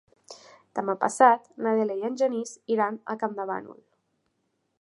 Demà passat na Dèlia i en Genís iran a Campdevànol.